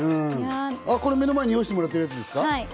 この目の前に用意してもらってるやつですか？